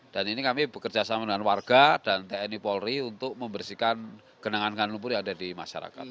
dan ini kami bekerja sama dengan warga dan tni polri untuk membersihkan genangan genangan lumpur yang ada di masyarakat